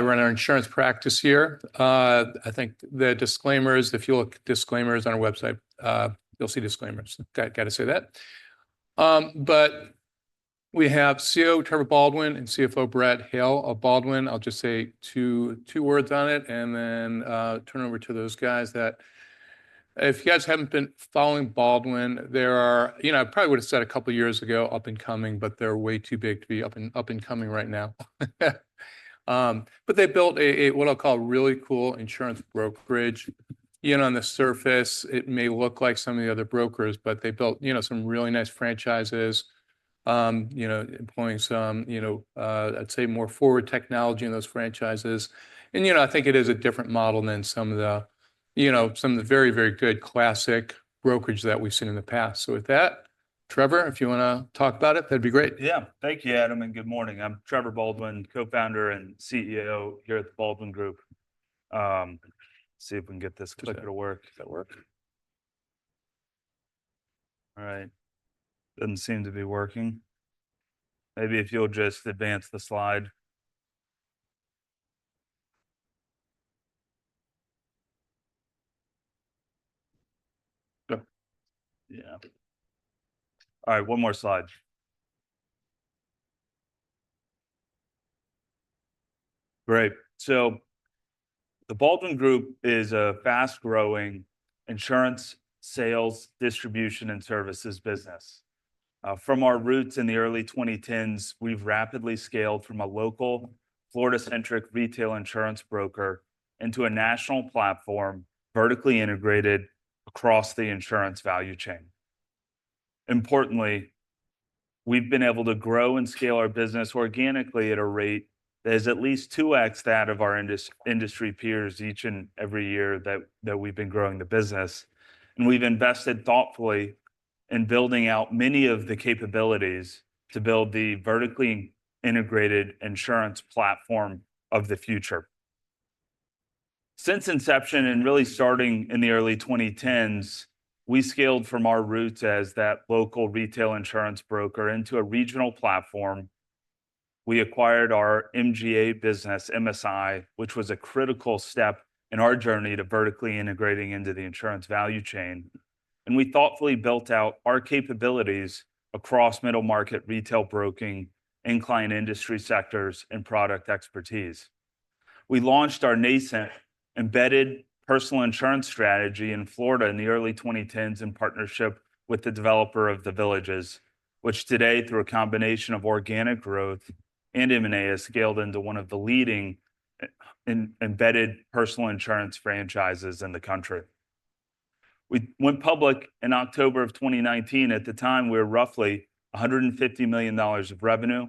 I run our insurance practice here. I think the disclaimers, if you look at disclaimers on our website, you'll see disclaimers. Got to say that. We have CEO Trevor Baldwin and CFO Brad Hale of Baldwin. I'll just say two words on it and then turn over to those guys that, if you guys haven't been following Baldwin, there are, you know, I probably would have said a couple of years ago, up and coming, but they're way too big to be up and coming right now. They built a, what I'll call, really cool insurance brokerage. You know, on the surface, it may look like some of the other brokers, but they built, you know, some really nice franchises, you know, employing some, you know, I'd say more forward technology in those franchises. You know, I think it is a different model than some of the, you know, some of the very, very good classic brokerage that we've seen in the past. With that, Trevor, if you want to talk about it, that'd be great. Yeah. Thank you, Adam. Good morning. I'm Trevor Baldwin, co-founder and CEO here at the Baldwin Group. See if we can get this clicker to work. All right. Doesn't seem to be working. Maybe if you'll just advance the slide. Yeah. All right. One more slide. Great. The Baldwin Group is a fast-growing insurance sales, distribution, and services business. From our roots in the early 2010s, we've rapidly scaled from a local Florida-centric retail insurance broker into a national platform vertically integrated across the insurance value chain. Importantly, we've been able to grow and scale our business organically at a rate that is at least 2x that of our industry peers each and every year that we've been growing the business. We've invested thoughtfully in building out many of the capabilities to build the vertically integrated insurance platform of the future. Since inception and really starting in the early 2010s, we scaled from our roots as that local retail insurance broker into a regional platform. We acquired our MGA business, MSI, which was a critical step in our journey to vertically integrating into the insurance value chain. We thoughtfully built out our capabilities across middle-market retail broking, incline industry sectors, and product expertise. We launched our nascent embedded personal insurance strategy in Florida in the early 2010s in partnership with the developer of The Villages, which today, through a combination of organic growth and M&A, has scaled into one of the leading embedded personal insurance franchises in the country. We went public in October of 2019. At the time, we were roughly $150 million of revenue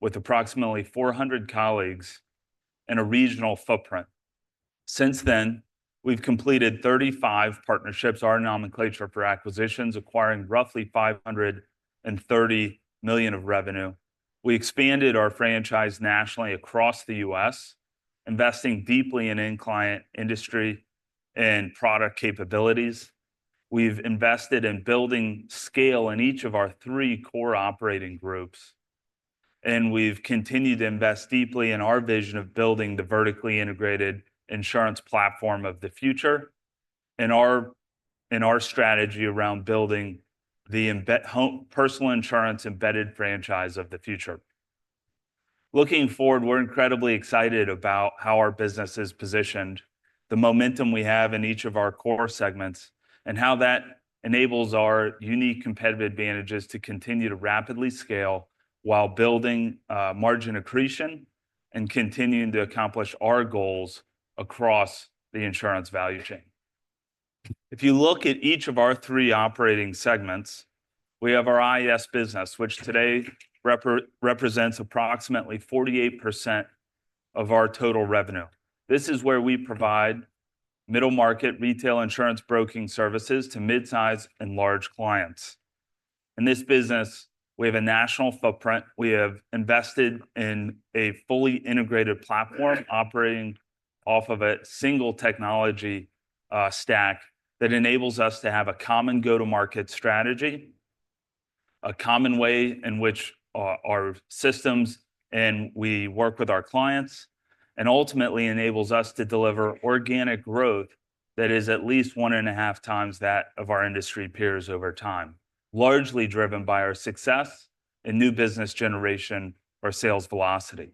with approximately 400 colleagues and a regional footprint. Since then, we've completed 35 partnerships, our nomenclature for acquisitions, acquiring roughly $530 million of revenue. We expanded our franchise nationally across the U.S., investing deeply in incline industry and product capabilities. We've invested in building scale in each of our three core operating groups. We have continued to invest deeply in our vision of building the vertically integrated insurance platform of the future and our strategy around building the personal insurance embedded franchise of the future. Looking forward, we are incredibly excited about how our business is positioned, the momentum we have in each of our core segments, and how that enables our unique competitive advantages to continue to rapidly scale while building margin accretion and continuing to accomplish our goals across the insurance value chain. If you look at each of our three operating segments, we have our IS business, which today represents approximately 48% of our total revenue. This is where we provide middle-market retail insurance broking services to mid-size and large clients. In this business, we have a national footprint. We have invested in a fully integrated platform operating off of a single technology stack that enables us to have a common go-to-market strategy, a common way in which our systems and we work with our clients, and ultimately enables us to deliver organic growth that is at least one and a half times that of our industry peers over time, largely driven by our success and new business generation or sales velocity.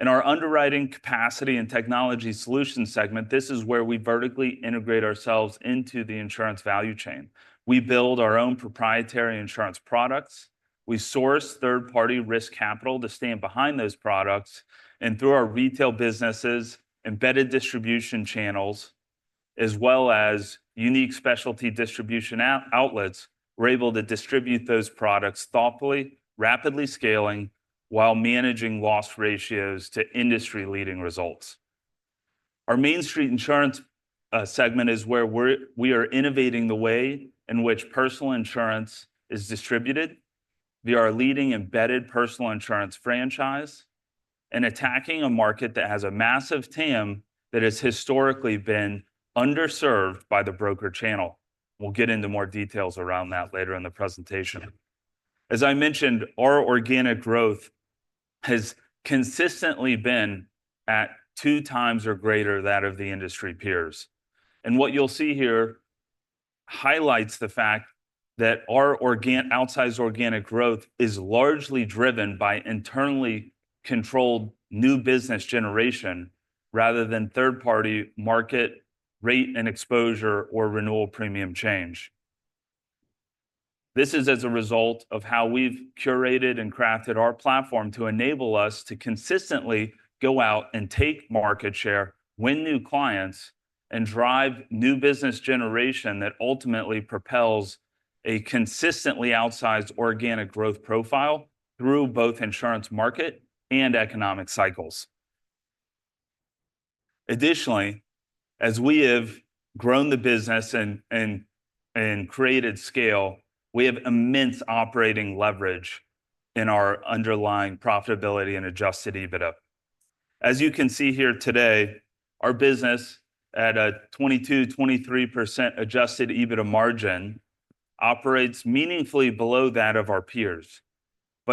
In our Underwriting Capacity & Technology Solutions segment, this is where we vertically integrate ourselves into the insurance value chain. We build our own proprietary insurance products. We source third-party risk capital to stand behind those products. Through our retail businesses, embedded distribution channels, as well as unique specialty distribution outlets, we are able to distribute those products thoughtfully, rapidly scaling while managing loss ratios to industry-leading results. Our Mainstreet Insurance segment is where we are innovating the way in which personal insurance is distributed via our leading embedded personal insurance franchise and attacking a market that has a massive TAM that has historically been underserved by the broker channel. We will get into more details around that later in the presentation. As I mentioned, our organic growth has consistently been at two times or greater than that of the industry peers. What you will see here highlights the fact that our outsized organic growth is largely driven by internally controlled new business generation rather than third-party market rate and exposure or renewal premium change. This is as a result of how we've curated and crafted our platform to enable us to consistently go out and take market share, win new clients, and drive new business generation that ultimately propels a consistently outsized organic growth profile through both insurance market and economic cycles. Additionally, as we have grown the business and created scale, we have immense operating leverage in our underlying profitability and adjusted EBITDA. As you can see here today, our business at a 22-23% adjusted EBITDA margin operates meaningfully below that of our peers.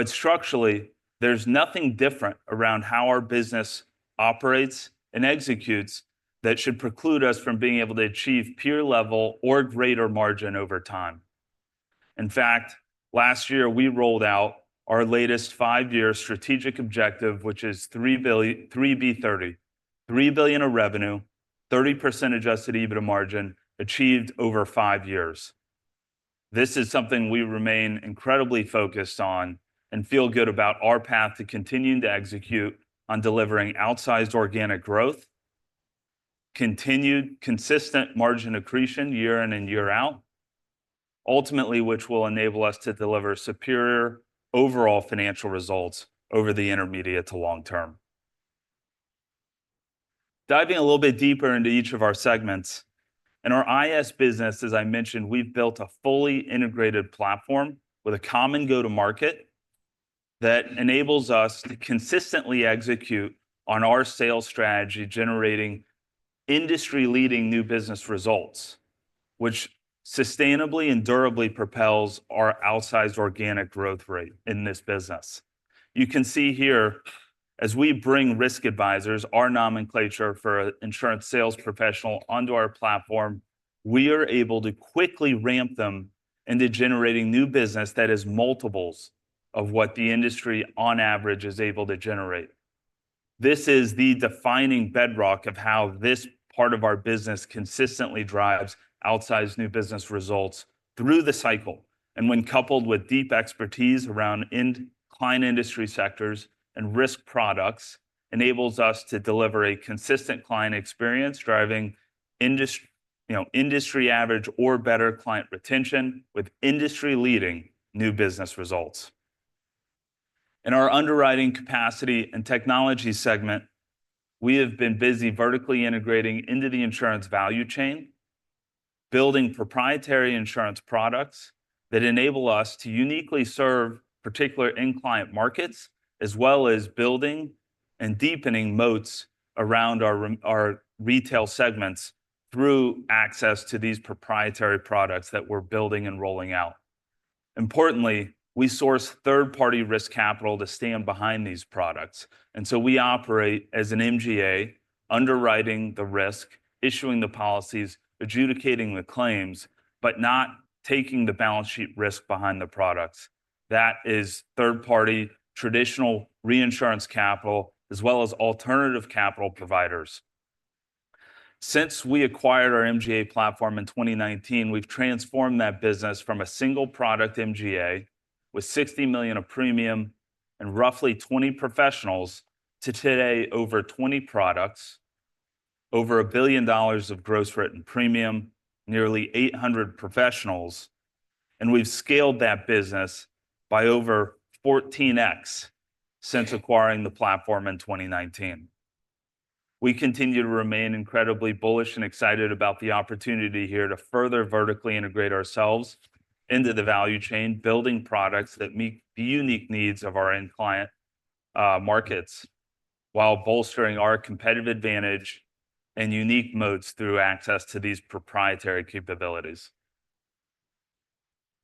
Structurally, there's nothing different around how our business operates and executes that should preclude us from being able to achieve peer-level or greater margin over time. In fact, last year, we rolled out our latest five-year strategic objective, which is 3B30, $3 billion of revenue, 30% adjusted EBITDA margin achieved over five years. This is something we remain incredibly focused on and feel good about our path to continuing to execute on delivering outsized organic growth, continued consistent margin accretion year in and year out, ultimately, which will enable us to deliver superior overall financial results over the intermediate to long term. Diving a little bit deeper into each of our segments, in our IS business, as I mentioned, we've built a fully integrated platform with a common go-to-market that enables us to consistently execute on our sales strategy, generating industry-leading new business results, which sustainably and durably propels our outsized organic growth rate in this business. You can see here, as we bring risk advisors, our nomenclature for insurance sales professional, onto our platform, we are able to quickly ramp them into generating new business that is multiples of what the industry on average is able to generate. This is the defining bedrock of how this part of our business consistently drives outsized new business results through the cycle. When coupled with deep expertise around incline industry sectors and risk products, it enables us to deliver a consistent client experience, driving industry average or better client retention with industry-leading new business results. In our Underwriting Capacity & Technology Solutions segment, we have been busy vertically integrating into the insurance value chain, building proprietary insurance products that enable us to uniquely serve particular incline markets, as well as building and deepening moats around our retail segments through access to these proprietary products that we're building and rolling out. Importantly, we source third-party risk capital to stand behind these products. We operate as an MGA, underwriting the risk, issuing the policies, adjudicating the claims, but not taking the balance sheet risk behind the products. That is third-party traditional reinsurance capital, as well as alternative capital providers. Since we acquired our MGA platform in 2019, we've transformed that business from a single product MGA with $60 million of premium and roughly 20 professionals to today over 20 products, over $1 billion of gross written premium, nearly 800 professionals. We've scaled that business by over 14x since acquiring the platform in 2019. We continue to remain incredibly bullish and excited about the opportunity here to further vertically integrate ourselves into the value chain, building products that meet the unique needs of our incline markets while bolstering our competitive advantage and unique moats through access to these proprietary capabilities.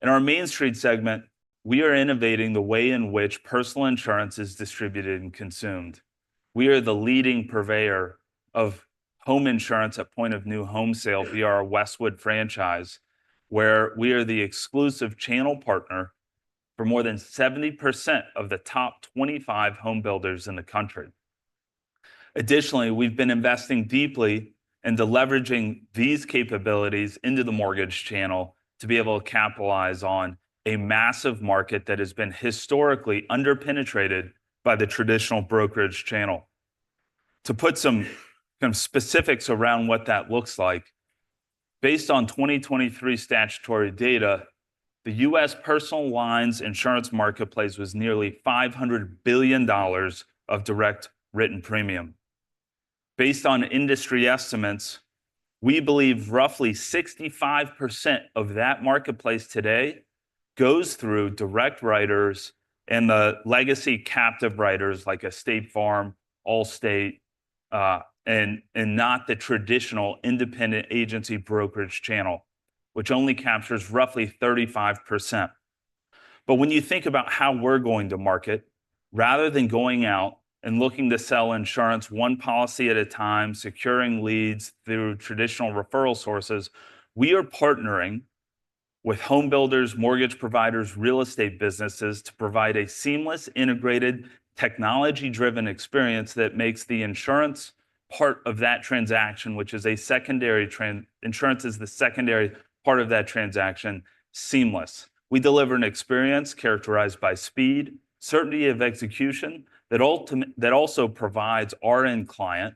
In our Mainstreet segment, we are innovating the way in which personal insurance is distributed and consumed. We are the leading purveyor of home insurance at point of new home sale via our Westwood franchise, where we are the exclusive channel partner for more than 70% of the top 25 home builders in the country. Additionally, we've been investing deeply in leveraging these capabilities into the mortgage channel to be able to capitalize on a massive market that has been historically underpenetrated by the traditional brokerage channel. To put some specifics around what that looks like, based on 2023 statutory data, the U.S. personal lines insurance marketplace was nearly $500 billion of direct written premium. Based on industry estimates, we believe roughly 65% of that marketplace today goes through direct writers and the legacy captive writers like State Farm, Allstate, and not the traditional independent agency brokerage channel, which only captures roughly 35%. When you think about how we're going to market, rather than going out and looking to sell insurance one policy at a time, securing leads through traditional referral sources, we are partnering with home builders, mortgage providers, real estate businesses to provide a seamless integrated technology-driven experience that makes the insurance part of that transaction, which is a secondary part of that transaction, seamless. We deliver an experience characterized by speed, certainty of execution that also provides our end client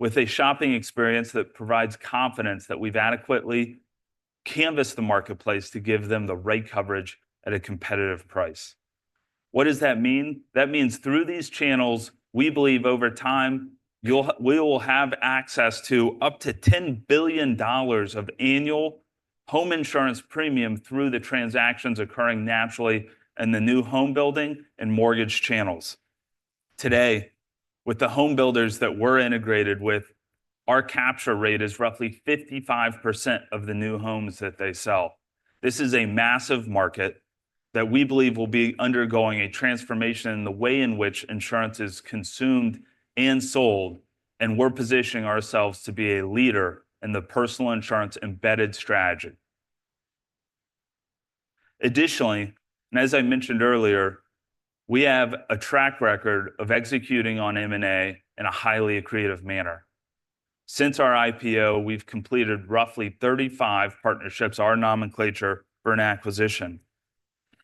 with a shopping experience that provides confidence that we've adequately canvassed the marketplace to give them the right coverage at a competitive price. What does that mean? That means through these channels, we believe over time, we will have access to up to $10 billion of annual home insurance premium through the transactions occurring naturally in the new home building and mortgage channels. Today, with the home builders that we're integrated with, our capture rate is roughly 55% of the new homes that they sell. This is a massive market that we believe will be undergoing a transformation in the way in which insurance is consumed and sold, and we're positioning ourselves to be a leader in the personal insurance embedded strategy. Additionally, and as I mentioned earlier, we have a track record of executing on M&A in a highly accretive manner. Since our IPO, we've completed roughly 35 partnerships, our nomenclature for an acquisition.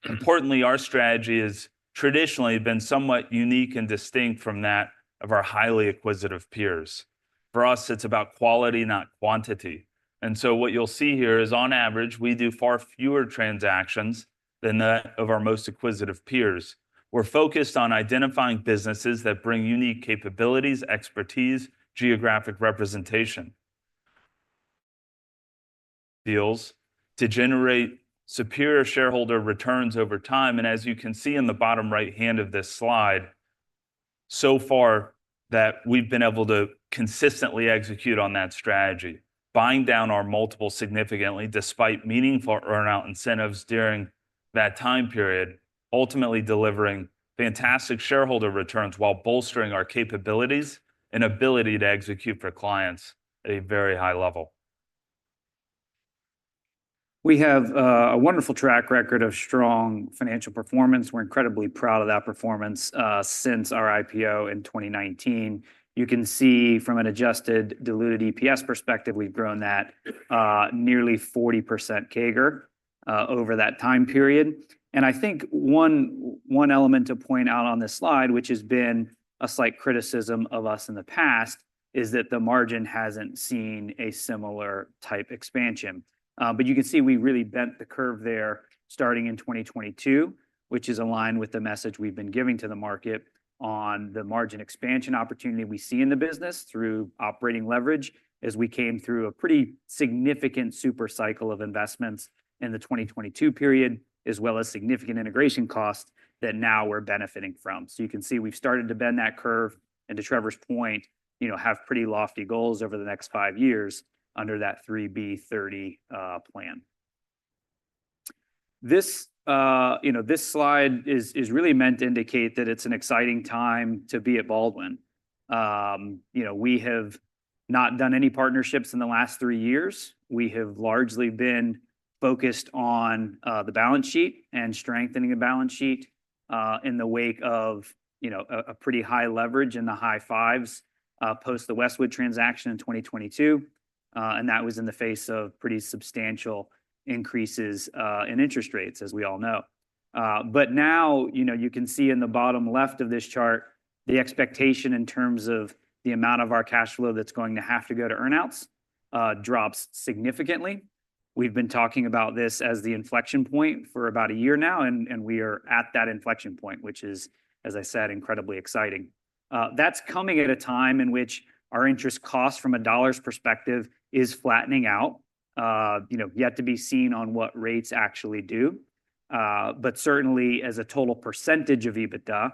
Importantly, our strategy has traditionally been somewhat unique and distinct from that of our highly acquisitive peers. For us, it's about quality, not quantity. What you'll see here is, on average, we do far fewer transactions than that of our most acquisitive peers. We're focused on identifying businesses that bring unique capabilities, expertise, geographic representation, deals to generate superior shareholder returns over time. As you can see in the bottom right hand of this slide, so far that we've been able to consistently execute on that strategy, buying down our multiples significantly despite meaningful earnout incentives during that time period, ultimately delivering fantastic shareholder returns while bolstering our capabilities and ability to execute for clients at a very high level. We have a wonderful track record of strong financial performance. We're incredibly proud of that performance since our IPO in 2019. You can see from an adjusted diluted EPS perspective, we've grown that nearly 40% CAGR over that time period. I think one element to point out on this slide, which has been a slight criticism of us in the past, is that the margin hasn't seen a similar type expansion. You can see we really bent the curve there starting in 2022, which is aligned with the message we've been giving to the market on the margin expansion opportunity we see in the business through operating leverage as we came through a pretty significant super cycle of investments in the 2022 period, as well as significant integration costs that now we're benefiting from. You can see we've started to bend that curve. To Trevor's point, we have pretty lofty goals over the next five years under that 3B30 plan. This slide is really meant to indicate that it's an exciting time to be at Baldwin. We have not done any partnerships in the last three years. We have largely been focused on the balance sheet and strengthening the balance sheet in the wake of a pretty high leverage in the high fives post the Westwood transaction in 2022. That was in the face of pretty substantial increases in interest rates, as we all know. You can see in the bottom left of this chart, the expectation in terms of the amount of our cash flow that's going to have to go to earnouts drops significantly. We've been talking about this as the inflection point for about a year now, and we are at that inflection point, which is, as I said, incredibly exciting. That's coming at a time in which our interest cost from a dollar's perspective is flattening out, yet to be seen on what rates actually do. Certainly, as a total percentage of EBITDA,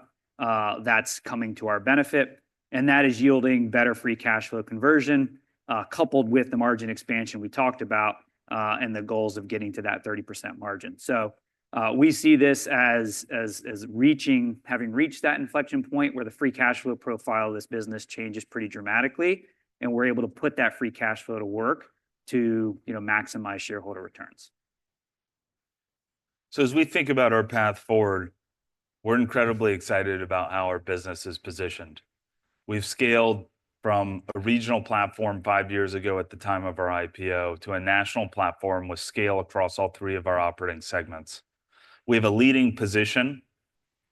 that's coming to our benefit. That is yielding better free cash flow conversion coupled with the margin expansion we talked about and the goals of getting to that 30% margin. We see this as having reached that inflection point where the free cash flow profile of this business changes pretty dramatically, and we're able to put that free cash flow to work to maximize shareholder returns. As we think about our path forward, we're incredibly excited about how our business is positioned. We've scaled from a regional platform five years ago at the time of our IPO to a national platform with scale across all three of our operating segments. We have a leading position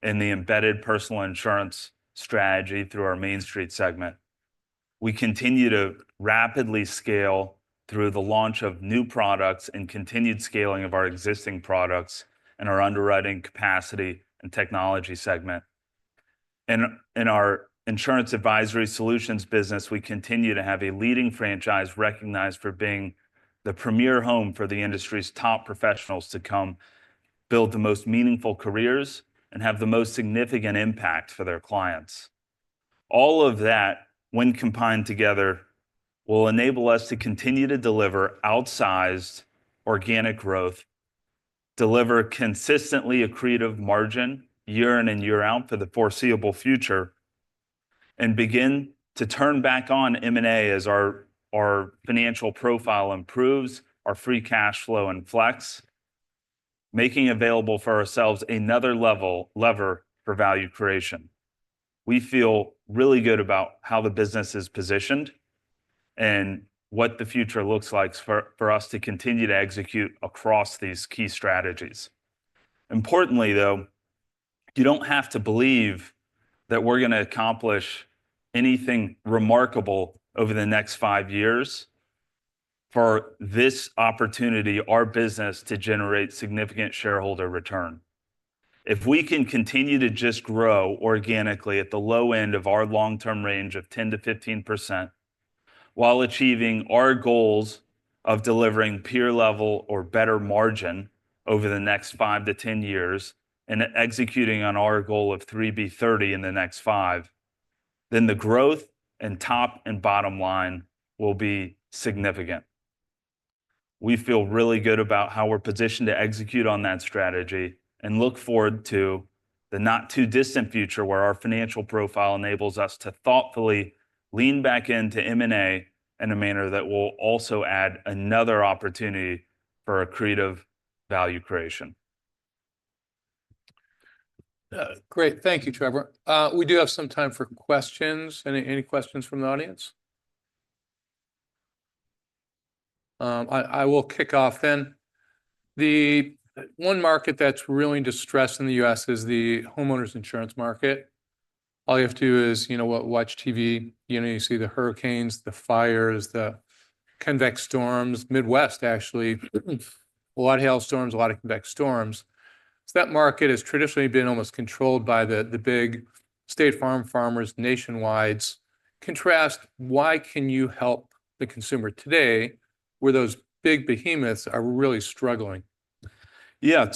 in the embedded personal insurance strategy through our Mainstreet segment. We continue to rapidly scale through the launch of new products and continued scaling of our existing products and our Underwriting Capacity & Technology Solutions segment. In our Insurance Advisory Solutions business, we continue to have a leading franchise recognized for being the premier home for the industry's top professionals to come build the most meaningful careers and have the most significant impact for their clients. All of that, when combined together, will enable us to continue to deliver outsized organic growth, deliver consistently accretive margin year in and year out for the foreseeable future, and begin to turn back on M&A as our financial profile improves, our free cash flow inflex, making available for ourselves another lever for value creation. We feel really good about how the business is positioned and what the future looks like for us to continue to execute across these key strategies. Importantly, though, you do not have to believe that we are going to accomplish anything remarkable over the next five years for this opportunity, our business to generate significant shareholder return. If we can continue to just grow organically at the low end of our long-term range of 10-15% while achieving our goals of delivering peer level or better margin over the next 5 to 10 years and executing on our goal of 3B30 in the next five, then the growth and top and bottom line will be significant. We feel really good about how we're positioned to execute on that strategy and look forward to the not too distant future where our financial profile enables us to thoughtfully lean back into M&A in a manner that will also add another opportunity for accretive value creation. Great. Thank you, Trevor. We do have some time for questions. Any questions from the audience? I will kick off then. The one market that's really distressed in the U.S. is the homeowners insurance market. All you have to do is, you know what, watch TV. You know, you see the hurricanes, the fires, the convect storms, Midwest, actually, a lot of hailstorms, a lot of convect storms. That market has traditionally been almost controlled by the big State Farm, Farmers, Nationwide. Contrast, why can you help the consumer today where those big behemoths are really struggling? Yeah,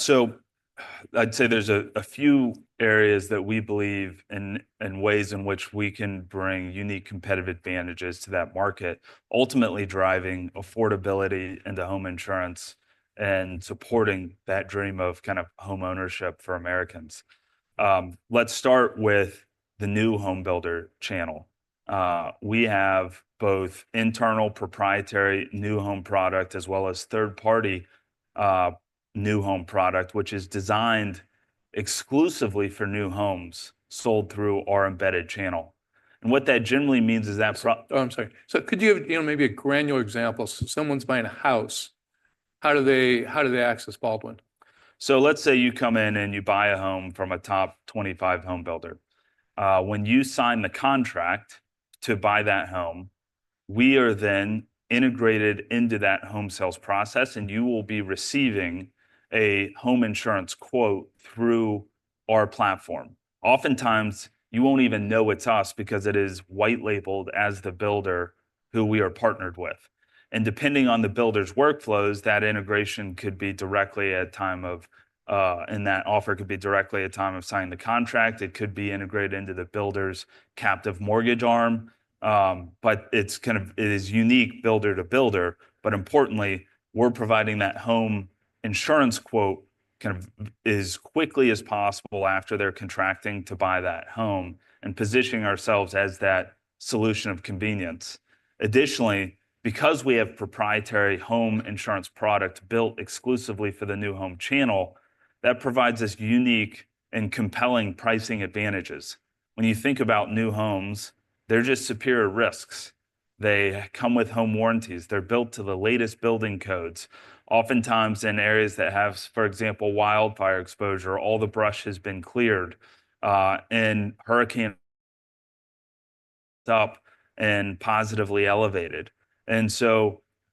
I'd say there's a few areas that we believe in and ways in which we can bring unique competitive advantages to that market, ultimately driving affordability into home insurance and supporting that dream of kind of home ownership for Americans. Let's start with the new home builder channel. We have both internal proprietary new home product as well as third-party new home product, which is designed exclusively for new homes sold through our embedded channel. What that generally means is that—I'm sorry. Could you have maybe a granular example? Someone's buying a house. How do they access Baldwin? Let's say you come in and you buy a home from a top 25 home builder. When you sign the contract to buy that home, we are then integrated into that home sales process, and you will be receiving a home insurance quote through our platform. Oftentimes, you won't even know it's us because it is white-labeled as the builder who we are partnered with. Depending on the builder's workflows, that integration could be directly at a time of—and that offer could be directly at a time of signing the contract. It could be integrated into the builder's captive mortgage arm. It's kind of unique builder to builder. Importantly, we're providing that home insurance quote kind of as quickly as possible after they're contracting to buy that home and positioning ourselves as that solution of convenience. Additionally, because we have proprietary home insurance product built exclusively for the new home channel, that provides us unique and compelling pricing advantages. When you think about new homes, they're just superior risks. They come with home warranties. They're built to the latest building codes, oftentimes in areas that have, for example, wildfire exposure. All the brush has been cleared and hurricane stopped and positively elevated.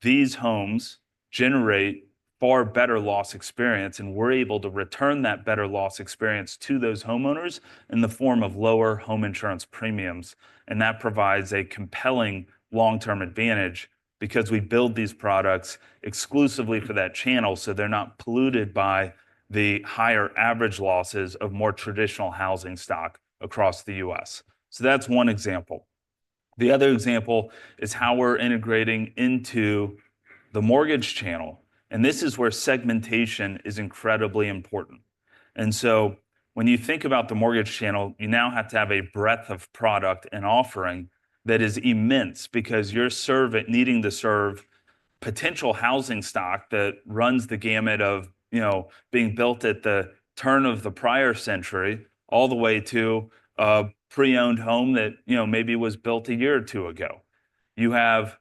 These homes generate far better loss experience, and we're able to return that better loss experience to those homeowners in the form of lower home insurance premiums. That provides a compelling long-term advantage because we build these products exclusively for that channel, so they're not polluted by the higher average losses of more traditional housing stock across the U.S. That is one example. The other example is how we're integrating into the mortgage channel. This is where segmentation is incredibly important. When you think about the mortgage channel, you now have to have a breadth of product and offering that is immense because you're needing to serve potential housing stock that runs the gamut of being built at the turn of the prior century all the way to a pre-owned home that maybe was built a year or two ago. You have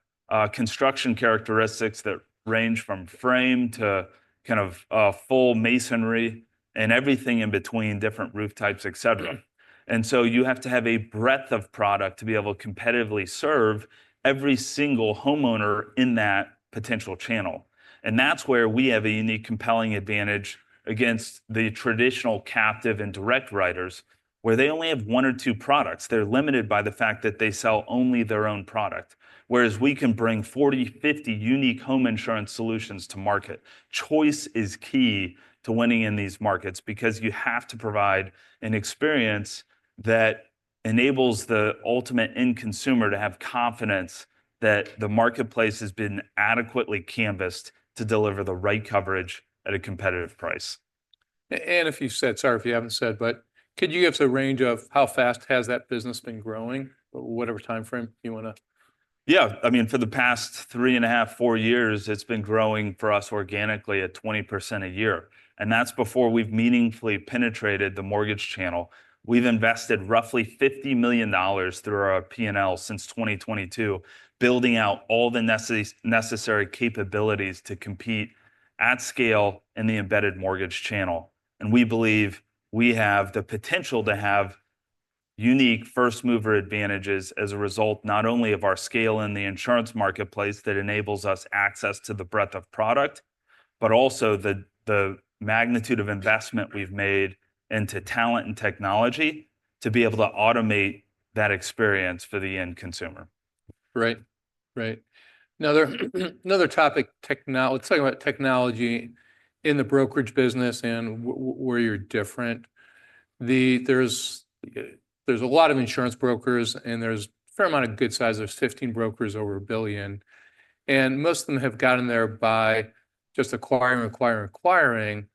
construction characteristics that range from frame to kind of full masonry and everything in between, different roof types, et cetera. You have to have a breadth of product to be able to competitively serve every single homeowner in that potential channel. That is where we have a unique, compelling advantage against the traditional captive and direct writers, where they only have one or two products. They are limited by the fact that they sell only their own product, whereas we can bring 40-50 unique home insurance solutions to market. Choice is key to winning in these markets because you have to provide an experience that enables the ultimate end consumer to have confidence that the marketplace has been adequately canvassed to deliver the right coverage at a competitive price. If you said, sorry if you have not said, but could you give us a range of how fast has that business been growing? Whatever timeframe you want to. Yeah, I mean, for the past three and a half, four years, it's been growing for us organically at 20% a year. That's before we've meaningfully penetrated the mortgage channel. We've invested roughly $50 million through our P&L since 2022, building out all the necessary capabilities to compete at scale in the embedded mortgage channel. We believe we have the potential to have unique first mover advantages as a result not only of our scale in the insurance marketplace that enables us access to the breadth of product, but also the magnitude of investment we've made into talent and technology to be able to automate that experience for the end consumer. Right. Right. Another topic, let's talk about technology in the brokerage business and where you're different. There's a lot of insurance brokers, and there's a fair amount of good size. There's 15 brokers over a billion. Most of them have gotten there by just acquiring, acquiring, acquiring.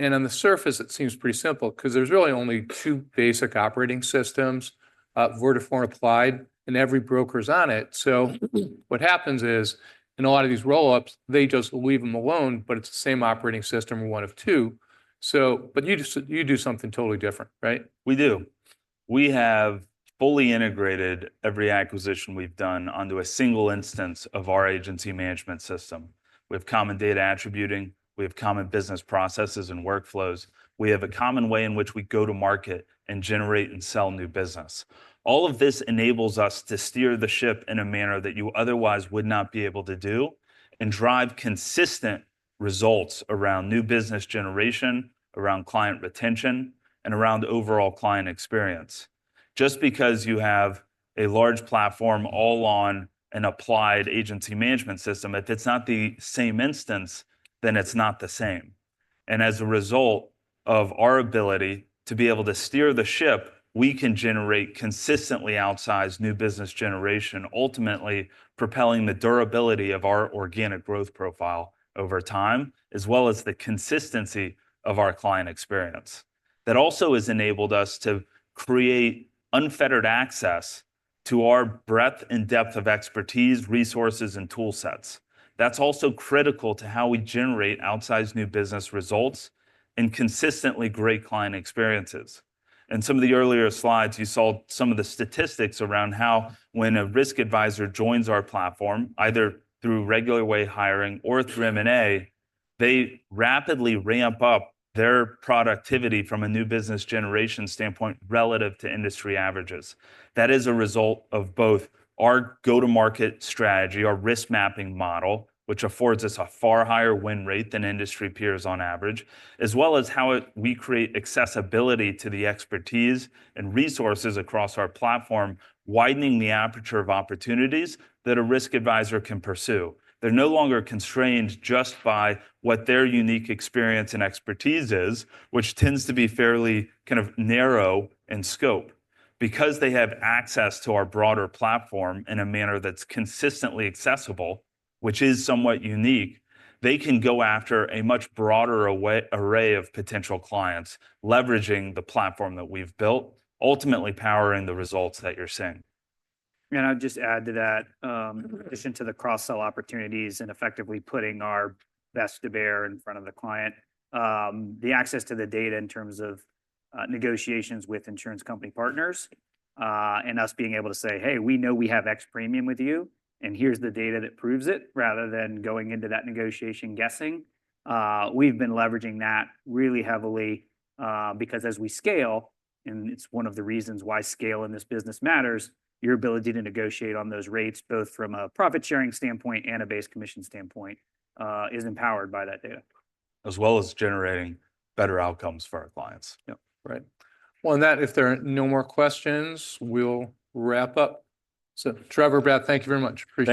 On the surface, it seems pretty simple because there are really only two basic operating systems, Vertafore and Applied, and every broker is on it. What happens is, in a lot of these roll-ups, they just leave them alone, but it is the same operating system or one of two. You do something totally different, right? We do. We have fully integrated every acquisition we have done onto a single instance of our agency management system. We have common data attributing. We have common business processes and workflows. We have a common way in which we go to market and generate and sell new business. All of this enables us to steer the ship in a manner that you otherwise would not be able to do and drive consistent results around new business generation, around client retention, and around overall client experience. Just because you have a large platform all on an Applied agency management system, if it's not the same instance, then it's not the same. As a result of our ability to be able to steer the ship, we can generate consistently outsized new business generation, ultimately propelling the durability of our organic growth profile over time, as well as the consistency of our client experience. That also has enabled us to create unfettered access to our breadth and depth of expertise, resources, and tool sets. That's also critical to how we generate outsized new business results and consistently great client experiences. In some of the earlier slides, you saw some of the statistics around how when a risk advisor joins our platform, either through regular way hiring or through M&A, they rapidly ramp up their productivity from a new business generation standpoint relative to industry averages. That is a result of both our go-to-market strategy, our risk mapping model, which affords us a far higher win rate than industry peers on average, as well as how we create accessibility to the expertise and resources across our platform, widening the aperture of opportunities that a risk advisor can pursue. They're no longer constrained just by what their unique experience and expertise is, which tends to be fairly kind of narrow in scope. Because they have access to our broader platform in a manner that's consistently accessible, which is somewhat unique, they can go after a much broader array of potential clients, leveraging the platform that we've built, ultimately powering the results that you're seeing. I'd just add to that, in addition to the cross-sell opportunities and effectively putting our best to bear in front of the client, the access to the data in terms of negotiations with insurance company partners and us being able to say, "Hey, we know we have X premium with you, and here's the data that proves it," rather than going into that negotiation guessing. We've been leveraging that really heavily because as we scale, and it's one of the reasons why scale in this business matters, your ability to negotiate on those rates, both from a profit-sharing standpoint and a base commission standpoint, is empowered by that data. As well as generating better outcomes for our clients. Yeah, right. On that, if there are no more questions, we'll wrap up. Trevor, Brad, thank you very much. Appreciate it.